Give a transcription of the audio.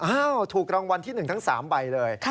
ถูกรางวัลที่๑ทั้ง๓ใบเลย